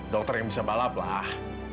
dokter yang bisa balap lah